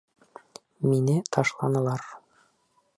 Мине ташланылар.